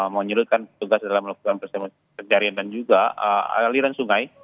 menyurutkan tugas dalam melakukan proses pencarian dan juga aliran sungai